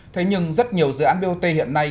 thế nhưng rất nhiều dự án bot hiện nay